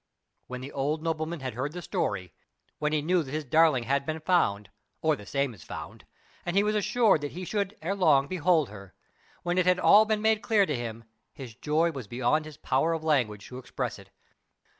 When the old nobleman had heard the story, when he knew that his darling had been found, or the same as found, and he was assured that he should ere long behold her, when it had all been made clear to him, his joy was beyond his power of language to express it.